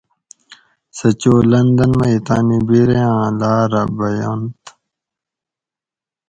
سہۤ چو لندن مئ تانی بِرے آۤں لاۤرہ بینت